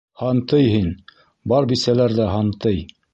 — Һантый һин, бар бисәләр ҙә һантый.